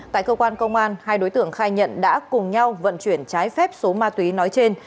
tại cơ quan công an hai đối tượng khai nhận đã cùng nhau vận chuyển trái phép số ma túy nói trên